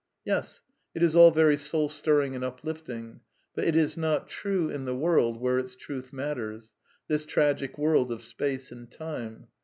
Yes ; it is all very soul stirring and uplifting ; but it is not true in the world where its truth matters ; tiiis tragic world of space and time.